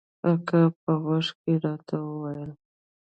اکا په غوږ کښې راته وويل.